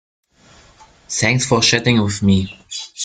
Thanks for chatting with me.